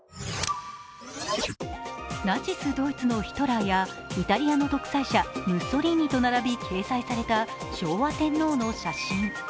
ナチスドイツのヒトラーやイタリアの独裁者ムッソリーニと並び掲載された昭和天皇の写真。